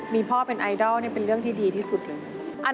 มีพ่อเป็นไอดอลนี่เป็นเรื่องที่ดีที่สุดเลย